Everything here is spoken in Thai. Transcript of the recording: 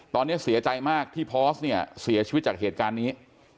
ตอนนี้เสียใจมากที่พอสเนี่ยเสียชีวิตจากเหตุการณ์นี้